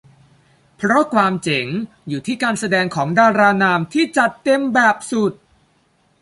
เพราะความเจ๋งอยู่ที่การแสดงของดารานำที่จัดเต็มแบบสุด